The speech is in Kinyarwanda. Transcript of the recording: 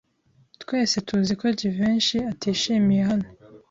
Twese tuzi ko Jivency atishimiye hano.